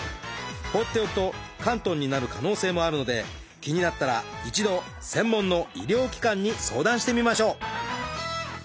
放っておくと嵌頓になる可能性もあるので気になったら一度専門の医療機関に相談してみましょう。